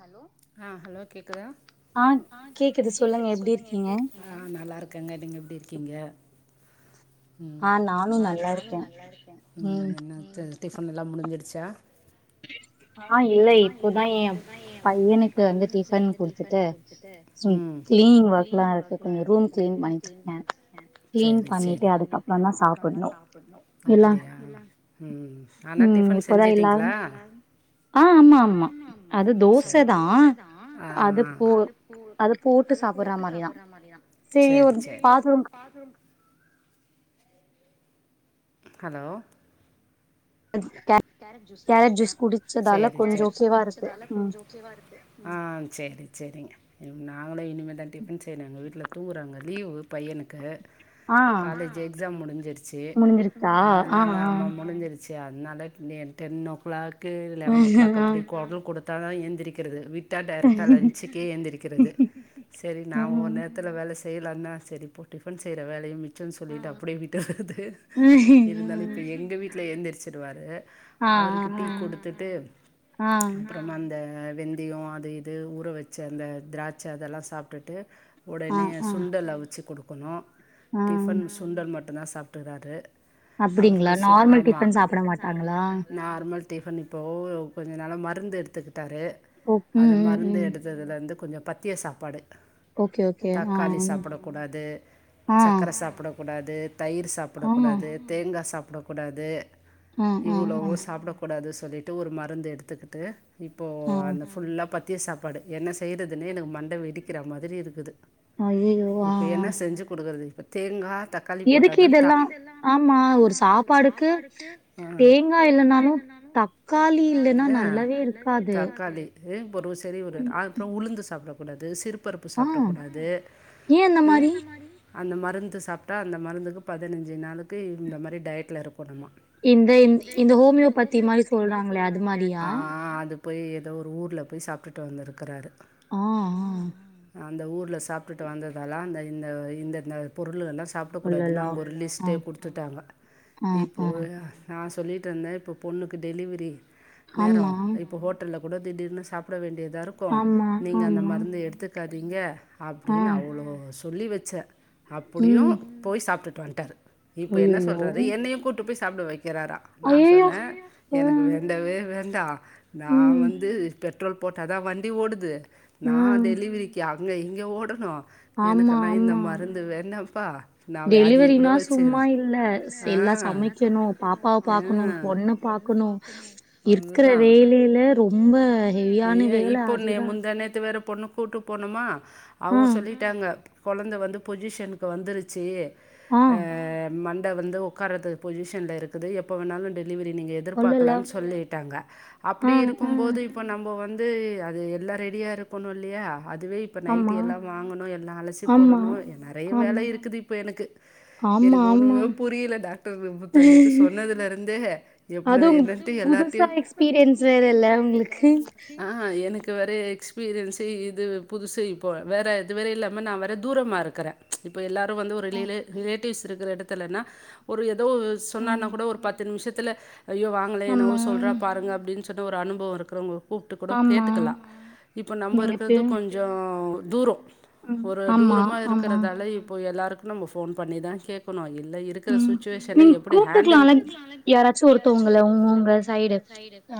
hello ஆ கேக்குது சொல்லுங்க எப்டி இருக்கி ஆ நல்லா இருக்கங்க நீங்க எப்டி இருக்கீங்க ம் ம் என்னத்த டிஃபன் எல்லா முடிஞ்சிடுச்சா ஆ இல்ல இப்போதா ஏ பையனுக்கு வந்து டிஃபன் குடுத்துட்டு கிளீனிங் ஒர்க்லா இருக்கு கொஞ்சொ ரூம்ஸ் கிளீன் பண்ணிட்ர்கே சேரி சேரி அப்டியா ம் ஆனா டிஃபன் செஞ்சுட்டீங்ளா அ ஆமா ஆமா அது தோச தா அது போது அது போட்டு சாப்ட்ற மாதிரிதா ஹலோ கேரட் ஜூஸ் குடிச்சுட்டே கேரட் ஜூஸ் குடிச்சதால கொஞ்சொ ஓகேவா இருக்கு ஆ சேரி சேரிங்க நாங்களு இனிமேதா டிஃபன் செயணு எங்க வீட்ல தூங்கறாங்க லீவு பையனுக்கு காலேஜ் எக்ஸாம் முடிஞ்சிருச்சு அதனால ஆமா முடிஞ்சிருச்சு அதனால ten o'clock eleven o'clock அப்டி குரல் குடுத்தா தா ஏந்திரிக்கறது வீட் டா டைரக்டா லஞ்சுக்கே ஏழுந்திரிக்கறது செரி நா ஓவ்நேர த்துல வேல செய்லானா செரி போ டிஃபன் செய்ற வேலையு மிச்சனு சொலிட்டு அப்டியே விட்றது இருந்தாலு இப்ப எங்க வீட்ல எந்திரிச்சு வாரு அவருக்கு டீ கொடுத்துட்டு அப்றோ ம் அந்த வெந்தையு அது இது ஊற வச்சு அந்த திராட்சை அதெல்லா சாப்ட்டுட்டு உடனே சுண்டல் அவிச்சு கொடுக்கணு டிஃபன் சுண்டல் மட்டு தா சாப்டறாரு அப்டிங்ளா நார்மல் டிஃபன் சாப்பட மாட் நார்மல் டிஃபன் இப்போ கொஞ்ச நாளா மருந்து எடுத்துக்கிட்டாரு அது மருந்து எடுத்ததுல இருந்து கொஞ்ச பத்திய சாப்பாடு தக்காளி சாப்படக்க கூடாது சர்க்கர சாப்பட கூடாது தயிர் சாப்படக்கூடாது தேங்கா சாப்படக்கூடாது இவ்வளவு சாப்படக்கூடாதுனு சொலிட்டு ஒரு மருந்து எடுத்துக்கிட்டு இப்போ அந்த ஃபுல்லா பத்து திய சாப்பாடு என்ன செய்றதுனே எனக் மண்ட வெடிக்கற மாதிரி இருக்குது இப்ப என்ன செஞ்சு குடுக்கறது தேங்கா தக்காளி போட்டதா தா தேங்காய் இல்லனாலு தக்காளி இல்லனா நல்லாவே இருக்காது தக்காளி அ பொ செரி ஒரு அதுக்கு அப்றோ உளுந்து சாப்படக்கூடாது சிறு பருப்பு சாப்படக் கூடாது அந்த மருந்து சாப்ட்டா அந்த மருந்துக்கு பதினஞ்சு நாளைக்கு இந்த மாதிரி டயட்டில இருக்கணுமா இந்த இந் இந்த ஹோமியோபத்தி மாரி சொல்றாங்களே அது மாரியா போய் எதோ ஒரு ஊர்ல போய் சாப்ட்டுட்டு வந்துருக்கறாரு ஆ ஆ அந்த ஊர்ல சாப்ட்டுட்டு வந்ததாலா அந்த இந்த இந்திந்த பொருள்கள்லா சாப் படக்கூடாதுன்னு அவுங்க ஒரு லிஸ்ட்டே குடுத்துட்டாங்க இப்போ நா சொல்லீட்டு இருந்த இப்போ பொண்ணுக்கு டெலிவரி நேரோ இப்போ ஹோட் ஓட்டல கூட திடீர்னு சாப்பட வேண்டிதா இருக்கு நீங்க அந்த மருந்து எடுத்துக்காதீங்க அப்டின்னு அவ்ளோ சொல்லி வெச்சே அப்புடியு போய் சாப்ட்டுட்டு வந்துட்டாரு இப்ப என்ன சொல்றாரு என்னையு கூட்ட்டு போய் சாப்பட வெக்கெறாரா நா சொன்னே எனக்கு வே ண்டவே வேண்டா நா வந்து பெட்ரோல் போட்டா தா வண்டி ஓடுது நா டெலிவரிக்கு அங்க இங்க ஓடணு எனக்கு எல்லா இந்த மருந்து வேண்டாப்பா நா வ்யாதிய கூட வெச்சுக்குறே எல்லா சமைக்கணு பாப்பாவ பாக்கணு பொண்ண பாக்கணு இருக்குற வேலைல ரொ ரொம்ப ஹெவியான வேல அதுதா முந்தாநேத்து வேற பொண்ண கூட்டு போனமா அவங்க சொல்லிட் ட்டங்க கொழந்த வந்து பொசிஷனுக்கு வந்துருச்சு ஆ மண்ட வந்து ஒ க்காறத்து பொசிஷன்ல இருக்குது எப்போ வேணாலு டெலிவரி நீங்க எது துர்பாக்கலான்னு சொல்லிட்டாங்க அப்பிடி இருக்கும்போது அப்பொ நம்ம வந்து அது எல்லா ரெடியா இருக்கணு இல்லியா அதுவே இ இப்போ நைட்டி எல்லா வாங்கணு எல்லா அலசி போடணு நெறையா வேல இருக்குது இப்போ எனக்கு எனக்கு ஒன்னுமே புரில்ல டாக்டர் தந்த சொன்னதுல இருந்தே என்ன எல்லாத்தியு எல்லாத்தியு ஆ எனக்கு வேற எக்ஸ்பீரியன்ஸு இது புதுசு இப்போ வ வேற இது வேற இல்லாம நா வேற தூரமா இருக்கறே இப்போ எல்லாரு வந்து ஒரு ரிலேலு ரிலேட்டிவ்ஸ் இருக்கற எடத்துலன்னா ஒரு எதோ ஸ் சொன்னான்னா கூட ஒரு பத்து நிம்ஷத்துல ஐயோ வாங்களே என்னவோ சொல்றா பாருங்க அப்டின்னு சொன்ன ஒரு அனுபவோ இருக்குற உங்க கூப்ட்டு கூட கேட்டுக்கலா இப்போ நம்ம இருக்குறது கொஞ்சொ தூரோ ஒரு தூரமா இருக்கறதால இப்போ எல்லாருக்கு நம்ப ஃபோன் பண்ணிதா கேட்கணு இல்லை இருக்கற சுச்சுவேஷன் என்ன எப் கூப்ட்டுக்கலால இ யாராச்சு ஒருத்தவங்கள உங் உங்க சைடு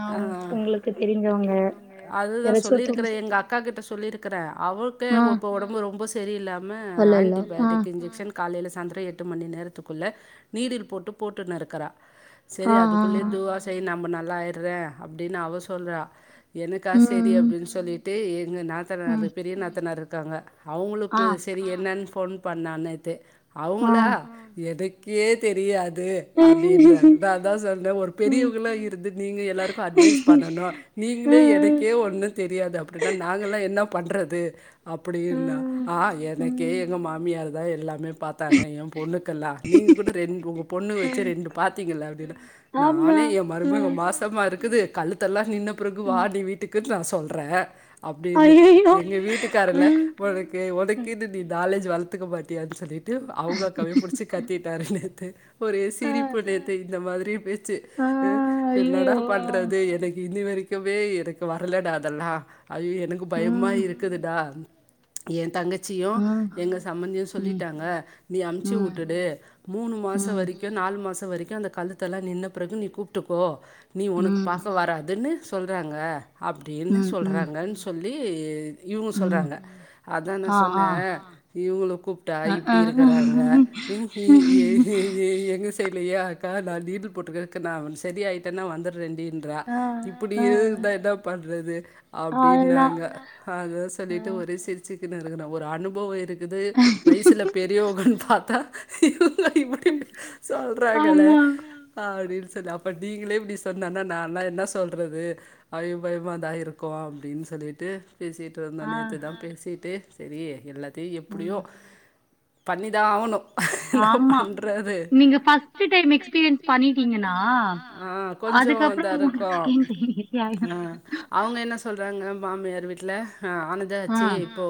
அ உங்ளு உங்களுக்கு தெருஞ்சவங்க அதுதா சொல்லிருக்குறே எங்க அக்கா கிட்ட சொல்லிருக்குற அவளுக்கே இப்ப ஒடம்பு ரொம்ப சி செரியில்லாம ஆன்டி பயோட்டிக் இன்ஜெக்ஷன் காலேல சாந்தெரம் எட்டு மணி நேரத்துக்குள்ள நீடில் போட்டு போட்டுன்னு இருக்குறா செரி அதுக்குள்ளயே துவா செய் நம்ம நல்லா ஆய்யிட்ற அப்டின்னு அவ சொல்றா எனக்கா செரி அப்டின்னு சொல்லிட்டு எங்க நாத்தனாரு பெரிய நாத்தனார் இருக்காங்க அவ்ங்களுக்கு செரி என்னன்னு ஃபோன் பண்ணா நேத்து அவ்ங்களா எது கே தெரியாது அப்டின்றாங்க நா அதா சொன்னே ஒரு பெரியவகளா இருந்து நீங்க எல்லாருக்கு அட்வைஸ் பண்ணணு நீங்களே எனக்கே ஒன்னு தெரியாது அப்டின்னா நாங்கல்லா என்ன பண்றது அப்டின்ன ஆ எனக்கே எங்க மாமியார் தா எல்லாமே பாத்தாங்க ஏ பொண்ணுக்கெல்லா நீங்க கூட ரெண்டு உங் ண்ணு வெச்சு ரெண்டு பாத்தீங்க இல்ல அப்டின்னா நானே ஏ மருமக மாசமா இருக்குது கழுத்தெல்லா நின்ன பிறகு வாடி வீட்டுக்கு நா சொல்ற அப்டின்னு எங்க வீட்டுக்காருல்ல உனக்கு உனக் க்கிது டி நாலேஜ் வல்த்க்க மாட்டியான் சொல்லிட்டு அவ்ங்க அக்காவியு புடிச்சு கத்திட்டாரு நேத்து ஒரே சிரிப்பு நேத்து இந்த மாதிரி பேச்சு அ சர் என்னடா பண்றது எனக்கு இந்தி மாரி க்கவே எனக்கு வரலடா அதல்லா ஐயயோ எனக்கு பயமா இருக்குதுடா எ தங்கச்சியு எங்க சம்மந்தியு சொல்லிட்டாங்க நீ அம்ச்சு உட்டுடு மூணு மாச க்கியு நால் மாச வரைக்கு அந்த கழுத்தெல்லா நின்ன பிறகு நீ கூப்ட்டுக்கோ நீ உனக்கு பாச வராதுன்னு சொல்றாங்க அப்டின்னு சொல்றாங்கன் சொல்லி இவுங்க சொல்றாங்க அதா நா சொன்னே இவுல கூப்ட்டா இப்டி இருக்கறாங்க இ கி ஏ ஏ எங்க சைட்லியா க்கா நா லீட்ரு போட்ருக்க ந சரியாய்டென்னா வந்துர் ரெண்டின்டிரா இப்டியே இருந்தா என்ன பண்றது அப்டின்னாங்க அதா சொல்லிட்டு ஒரே சிரி ச்சுகின்னு இருக்கிற ஒரு அனுபவோ இருக்குது வயசுல பெரியவங்கன் பாத்தா டி சொல்றாங்களே அப்டின் சொன்ன அப்ப நீங்களே இப்டி சொன்னன்னா நான்ல்லா என்ன சொல்றது அயு பயமா தா இருக்கு அப்டின் சொல்லிட்டு பேசிட் ருந்தோ நேத்துதா பேசிட்டு சேரி எல்லாத்தயு எப்டியோ பண்ணி தா ஆவுணு ஆமா நீங்க ஃபஸ்ட் டே மி எக்ஸ்பீரியன்ஸ் பண்ணிட்டீங்கன்னா அதுக்கப்புறோ உங்களுக் செகண்ட் பேபி [unintelligible] ம் அவுங்க என்ன சொல்றாங்க மாமியார் வீட்ல ஆனதா ஆச்சு ப்போ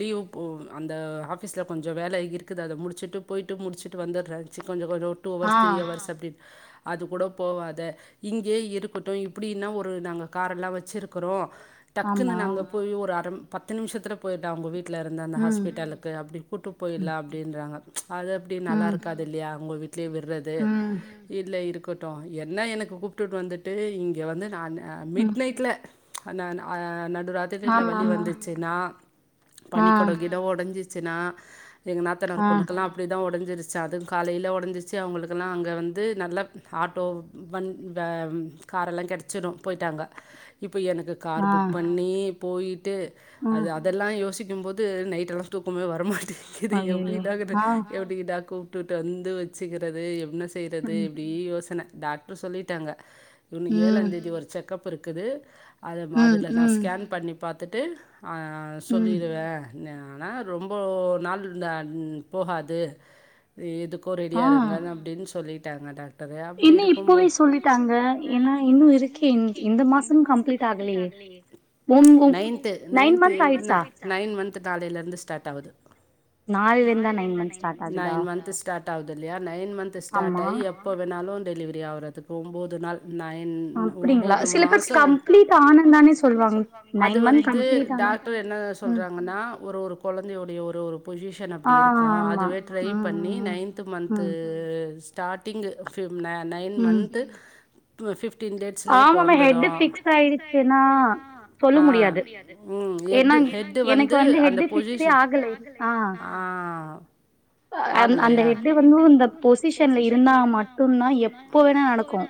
லீவு போ அந்த ஆஃபிஸ்ல கொஞ்சம வேல இருக்குது அத முடிச்சுட்டு போய்ட்டு முடிச்சுட்டு வந்தர் றா ஆச்சு கொஞ்ச கொஞ்சோ டூ அவர்ஸ் த்ரீ அவர்ஸ் அப்டின் அது கூட போவாத இங்கே இருக்கட்டு இப்டின்னா ஒரு நாங்க கார எல்லா வச்சிருக்கிறோ டக்குன்னு நாங்க போய் ஒரு அரம் பத்து நிமிஷத்துல போய்ட்டா அவுங்க வீட்ல இருந்த அந்த ஹாஸ்பிட்டலுக் கு அப்டி கூட்டு போய்ல்லா அப்டின்றாங்க அது அப்டி நல்லா இருக்காது இல்லயா அவுங்க வீட் லியே விற்றது இல்ல இருக்கட்டு என்ன எனக்கு கூப்ட்டுட்டு வந்துட்டு இங்க வந்து நானு அ மிட் நைட்ல்ல ந அ நடுராத் திரில்ல வழி வந்துச்சுன்னா பனிக்கொடோ கிடோ ஒடஞ்சிச்சுன்னா எங்க நாத்தனார் பொண்ணுக்கெல்லா அப்டிதா ஒடஞ்சுருச் சு அதுவ காலையில ஒடஞ்சிச்சு அவங்களுக்கெல்லா அங்க வந்து நல்லா ஆட்டோ வண் வ ண் கார் எல்லா கெடச்சுரு போய்ட்டாங்க இப்போ எனக்கு கார் புக் பண்ணி போயிட்டு அது அதெல்லா யோசிக்கும்போ து நைட்டு எல்லா தூக்கமே வர மாட்டிக்கிது எப்டி இதாக்குது எப்டி டா கூப்ட்டுட்டு வந்து வச்சுக்கிறது என்ன செய்றது இப்டி யோசன டாக்ட்ரு சொல்லிட்டாங்க ஒன்னு ஏழாந்தேதி ஒரு செக்கப் இருக்குது அத அதுல நா ஸ்கேன் பண்ணி பாத்துட்டு ஆ சொல்லிருவே ஆனா ரொம்ப நாள் ந்த ம் போகாது எதுக்கு ரெடியா இருங்கனு அப்டின் சொல்லிட்டாங்க டாக் டரு அப்டி இருக்கும்போ லேட்டு வும் வும் நைன் மந்த் ஆயிடுச்சா நைன் மந்த் நாளையிலருந்து ஸ்டாட் ஆவுது நைன் மந்த் து ஸ்டாட் ஆவுது இல்லயா நைன் மந்த் ஸ்டாட் ஆயி எப்போ வேண்ணாலு டெலிவரி ஆவுறதுக் ஒம்போது நாள் நயன் ஒம்போது மாசோ அது வந்து டாக் ட்ரு என்ன சொல்றாங்கன்னா ஒரு ஒரு கொழந்தையுடைய ஒரு ஒரு பொசிஷன் அப்டி இருக்கு அது வே ட்ரைப் நீ நைன்த்து மந்த்து ஸ்டாடிங்கு ஃபு ந நயன் மந்த்து பு ஃபிஃப்டின் டோட்ஸ்லோ பொறந்துடு ஆ ம் எட்டு ஹெட்டு வந்து அந்த பொசிஷ ஆ அந் அந்த ஹெட்டு் வந்து இந்த பொசிஷன்ல இருந்தா மட்டுந்தா எப்பொ வேணா நடக்கு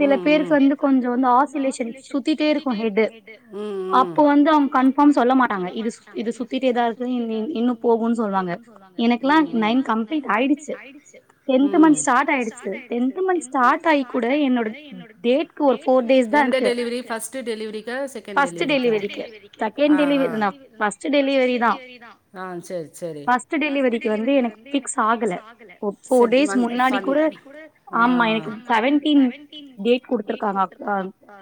சில பேருக்கு வந்து கொஞ்சவந்து ஆசிலேஷன் சுத்திட்டே இருக்கு ஹெட்டு அப்போ வந்து அவங் கண் போம் சொல்ல மாட்டாங்க இது சு இது சுத்திட்டேதா இருக்கு இன்னு போகுன் சொல்வாங்க எனக் க்லா நைன் கம் பீட் ஆய்டுச்சு டென்த் மந்த் ஸ்டாட் ஆயிடுச்சு டென்த் மந்த் ஸடாட் ஆயி கூட என்னோட தே கு ஒரு ஃபோர் டேஸ் தா இருக்கு விரி ஃபஸ்ட்டு டெலிவெரிக்கா செ கேன் டெலிவெரிக்கா ஃபஸ்ட்டு டெலிவரிக்கு அ அ ஃபஸ்ட்டு டோலிவெரி தா அ சேர் சேரி ட்டு டெலிவரிக்கு வந்து எனக்கு பிக்ஸ் பிக்ஸ் ஆகல செட் மண் ஃபன் முன்னாடி கூட அ அ ஆமா எனக் இது சவென் டேட் குடுத்துருக்காங்க அப் அ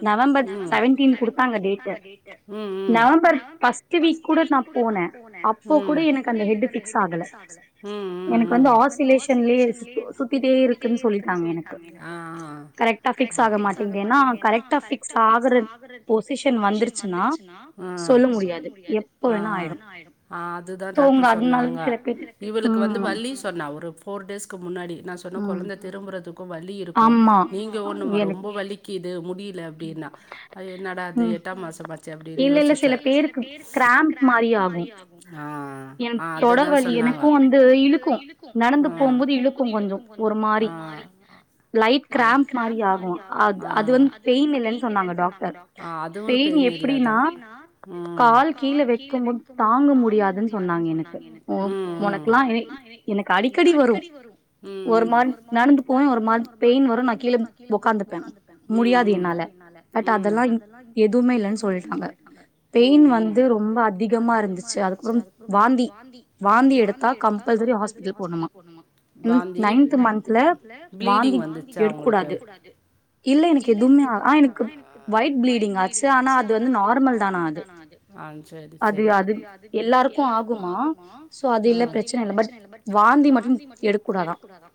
நவம்பர் செவன்டீன் குடுத் டீன் குடுத்தாங்க டேட்டு ம் ம் நவம்பர் ஃபஸ்ட்டு வீக் கூட நா போன அப்போ கூட எனக்கு அந்த ஹெட்டு பிக்ஸ் ஆகல எனக் ம் எனக்கு வந்து ஆசலேஷன்லே சுத்திட்டே இருக்குன் சொல்லிட்டாங் ஏனா அ அ கரெக்டா பிக்ஸ் ஆக மாட்டெங்கு ஏன்னா கரெக்டா பிக்ஸ் ஆகுற குற பொசிஷன் வந்துருச்சுன்னா அ அ சொல்ல முடியது [unintelligible] ஆயிடு அ அதுதா டாக்டர் சொன்னாங்க இவளுக்கு வந்து வல்லி சொன்னா ஒரு ஃபோர் டேஸ்கு முன்னாடி நா சொன்ன திரும்புறது வலி இருக்கு நீங்க ஒன்னுமா ரொம்ப வலிக்குது முடில அப்டின்னா அ என்னடா இது எட்டாம்மாச பச்சே அப்டின்னு யோசிச்சா சில பேரு கிராம்ப் மாரி ஆகு அ அ ஏ தொட வலி எனக்கு வந்து இழுக்கு நடந்து போம்போது இழுக்கு கொஞ்ச ஒரு மாரி லைட் கிராம்ப் மாரி ஆகு அத் அது வந்து பெயின் இல்லன் சொன்னாங்க டாக்டர் அ அது ஒன் பெயின் இல்லதா பெயின் அப்புடினா கால் கீழ வெக்க முன் தாங்க முடி சொன்னாங்க எனக்கு ஒ ஒனக்குலா எனி எனக் அடிக் எனக்கு அடிக்கடி வரு ம் ம் ஒரு மாரி நடந்த போனா ஒரு மாரி பெயின் வரு நா கீழ வி ஒக்காந்து ம் ம் முடியாது என்னால ம் பட் அதல்லா எதுமே இல்லன் சொல்ட்டாங்க பெயின் வந்து ரொம்ப அதிகமா இருந்துச்சு அதுக் அப்றம் வாந்தி வாந்தி எடுத்தா கம்ப்பல்சரி ஹாஸ்பிட்டல் போன் வாந்தி ப்ளீடிங் வந்துச்சா உங்களுக்கு இல்ல எனக்கு எதுமே ஆனா எனக்கு ஒயிட் ப்ளீடிங் ஆச்சு ஆனா அது வந்து நார்மல் தானா அது அ சேரி செரி கு ஆகுமா சோ அது இல்ல ப்ரச்சன இல்ல பட் வார் வாந்தி மட்டு எடுக் கூடாதா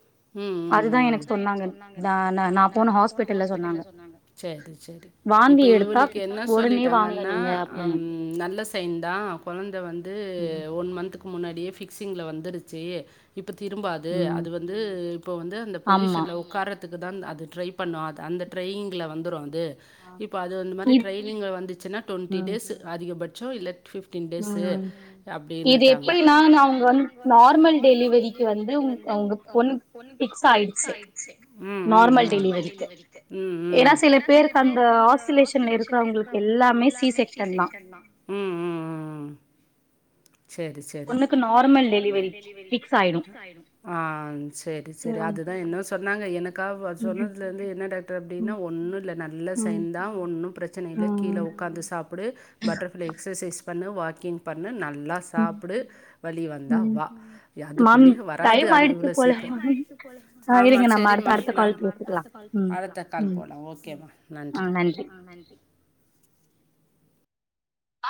ம் ம் ம் அதுதா எனக் சொன்னாங்க நா ந ந போன ஹாஸ்பிட்டல்ல சொன்னாங்க சேரி சரி இப்ப இவளுக்கு என்ன சொல்லிட்டாங்கன்னா அம் நல்லஸ் சைன் தா கொழந்த வந்து ஒன் மந்த்துக்கு முன்னாடியே ஃபிக்ஸிங்ல வந்துருச்சி இப்ப திரும்பாது அது வந்து இப்போ வந்து அந்த பொசிஷன்ல் உக்கார்ரத் த்துக்குதாந் அது ட்ரை பண்ணு அது அந்த ட்ரையிங்ல வந்துரு அது இப்ப அதுவ் அந்த மாரி ட்ரை்லிங் வந்துச்சுன்னா டொன்ட்டி டேஸு அதிகபட்சோ இல்ல ஃபிஃப்ட்டீன் டேஸு அப்டின்னுட்டாங்க இது எப்புடினா அவுங் வந்து நார்மல் லவரி வந்து உங்க பொண்ணு பிக்ஸ் ஆயிடுச்ச நார்மல் டெலிவரி ஏன்னா சில பேருக்கு அந்த ஆலேஷன்ல இருக்கறவங்களுக்கு எல்லாமே சி செக்ஷன் ம் ம் ம் பொண்ணுக்கு நார்மல் டெலிவரி பிக்ஸ் ஆயிடும் ஆ செரி செரி அதுதான் என்ன சொன்னாங்க எனக்கா சொன்னதுல இருந்து என்னடா ன்னா ஒன்னும் இல்ல நல்ல சைன் தான் ஒன்னும் பிரச்சன இல்ல கீழே உட்காந்து சாப் பிடு பட்டர்ப்ளை எக்சர்சைஸ் பண்ணு வாக்கிங் பண்ணு நல்லா சாப்பிடு வலி வந்தா வா அது மேம் டைம் ஆயடுச்ச போல மேம் ஆமா சரிமா அடுத்த கால் போலம் ஓகே மா நன்றி